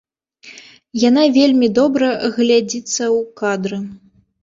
Яна вельмі добра глядзіцца ў кадры.